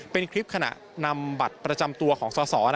เป็นคลิปขณะนำบัตรประจำตัวของสอสอ